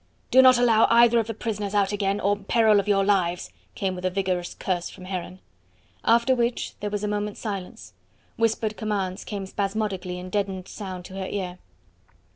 "Do not allow either of the prisoners out again, on peril of your lives!" came with a vigorous curse from Heron. After which there was a moment's silence; whispered commands came spasmodically in deadened sound to her ear.